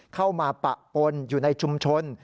เข้ามาปะปนอยู่ในชุมชน